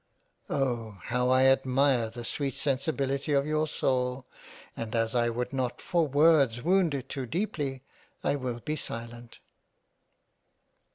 " Oh ! how I admire the sweet sensibility of your Soul, and as I would not for Worlds wound it too deeply, I will be silent."